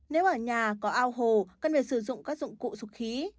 nếu ở nhà có ao hồ cần phải sử dụng các dụng cụ rục khí